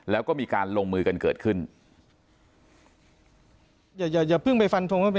แล้วก็มีการลงมือกันเกิดขึ้น